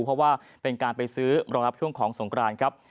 เพราะว่าเป็นการไปซื้อรองรับช่วงของสงครานครับ